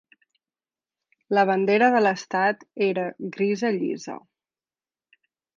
La bandera de l'estat era grisa llisa.